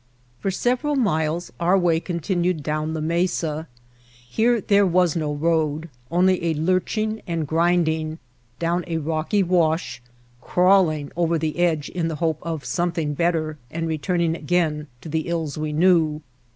For several miles our way continued down the mesa. Here was no road, only a lurching and grinding down a rocky wash, crawling over the edge in the hope of something better and return ing again to the ills we knew.